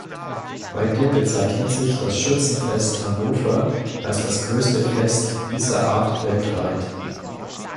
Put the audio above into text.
Heute bezeichnet sich das Schützenfest Hannover als das größte Fest dieser Art weltweit.